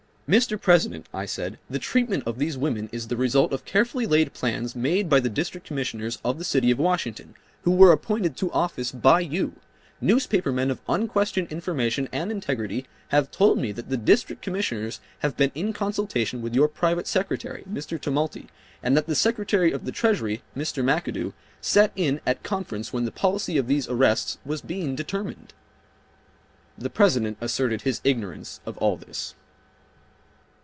"Mr. President," I said, "the treatment of these women is the result of carefully laid plans made by the District Commissioners of the city of Washington, who were appointed to office by you. Newspaper men of unquestioned information and integrity have told me that the District Commissioners have been in consultation with your private secretary, Mr. Tumulty, and that the Secretary of the Treasury, Mr. McAdoo, sat in at a conference when the policy of these arrests was being determined." The President asserted his ignorance of all this.